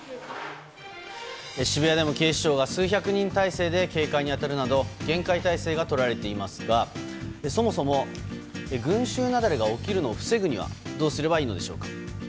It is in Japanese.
渋谷でも警視庁は数百人態勢で警戒に当たるなど厳戒態勢がとられていますがそもそも群衆雪崩が起きるのを防ぐにはどうすればいいのでしょうか。